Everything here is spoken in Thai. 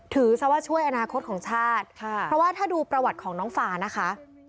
ซะว่าช่วยอนาคตของชาติค่ะเพราะว่าถ้าดูประวัติของน้องฟานะคะ